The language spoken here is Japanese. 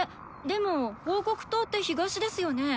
でも報告筒って東ですよね。